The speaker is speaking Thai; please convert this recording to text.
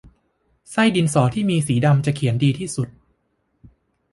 ไส้ดินสอที่มีสีดำจะเขียนดีที่สุด